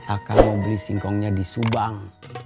akang mau beli simkongnya di subang